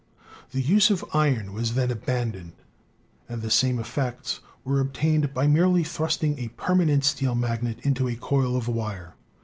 The use of iron was then abandoned, and the same effects were obtained by merely thrusting a permanent steel magnet into a coil of wire.